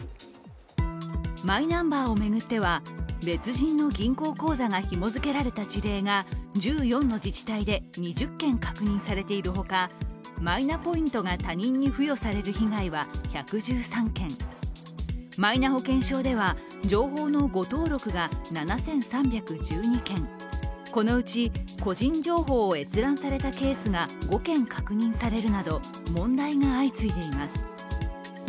マイナンバーを巡っては別人の銀行口座がひも付けられた自治体が１４の自治体で２０件確認されているほか、マイナポイントが他人に付与される被害は１１３件、マイナ保険証では情報の誤登録が７３１２件、このうち個人情報を閲覧されたケースが５件確認されるなど、問題が相次いでいます。